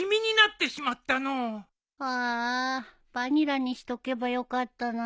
ああバニラにしとけばよかったな。